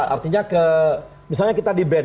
artinya misalnya kita di ban